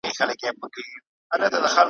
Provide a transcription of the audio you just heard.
څو كسان وه په كوڅه كي يې دعوه وه `